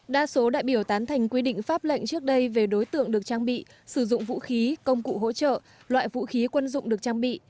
đa số đại biểu tán thành quy định pháp lệnh trước đây về đối tượng được trang bị sử dụng vũ khí công cụ hỗ trợ loại vũ khí quân dụng được trang bị